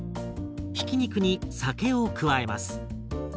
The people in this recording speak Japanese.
ひき肉に酒を加えます。